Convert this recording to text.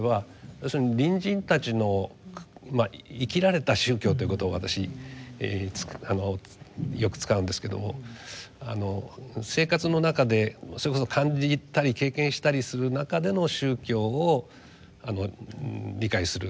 要するに隣人たちの生きられた宗教という言葉を私よく使うんですけども生活の中でそれこそ感じたり経験したりする中での宗教を理解する。